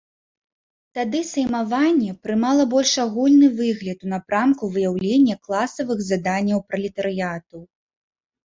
Тады саймаванне прымала больш агульны выгляд у напрамку выяўлення класавых заданняў пралетарыяту.